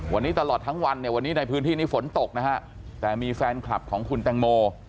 วันนี้ตลอดทั้งวันเนี่ยวันนี้ในพื้นที่นี้ฝนตกนะฮะแต่มีแฟนคลับของคุณแตงโม